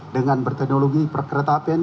dengan teknologi perkereta apian